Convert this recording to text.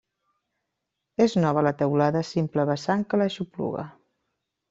És nova la teulada simple vessant que l'aixopluga.